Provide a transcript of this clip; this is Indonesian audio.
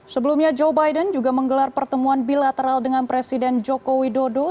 sebelumnya joe biden juga menggelar pertemuan bilateral dengan presiden joko widodo